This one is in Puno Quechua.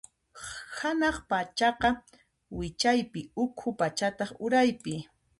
Hanaq pachaqa wichaypi, ukhu pachataq uraypi.